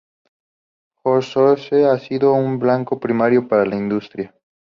Horseshoe", ha sido un blanco primario para la industria.